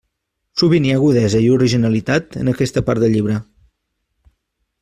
Sovint hi ha agudesa i originalitat en aquesta part del llibre.